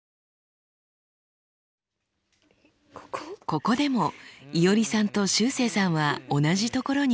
ここでもいおりさんとしゅうせいさんは同じところに反応しました。